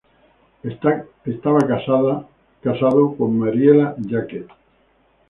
Era casado con Mariela Jacquet.